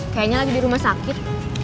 kayaknya lagi di rumah sakit